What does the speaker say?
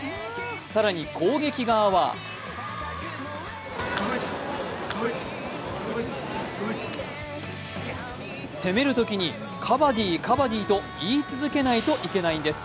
更に攻撃側は攻めるときにカバディ・カバディと言い続けないといけないんです。